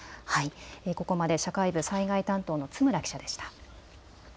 ここまで社会部災害担当の津村記者でした。